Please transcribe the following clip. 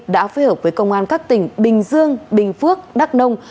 đã phối hợp với công an các tỉnh bình dương bình phước đắk nông